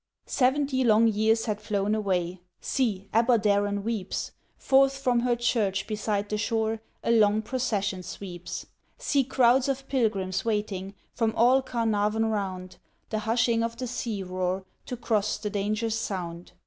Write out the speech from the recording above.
Seventy long years had flown away, See! Aberdaron weeps; Forth from her Church beside the shore, {23a} A long procession sweeps. See crowds of pilgrims waiting From all Carnarvon round, The hushing of the sea roar, To cross the dangerous sound.